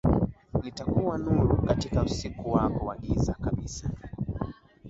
Nitakuwa nuru katika usiku wako wa giza kabisa